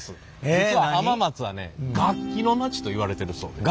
実は浜松はね楽器の町といわれてるそうです。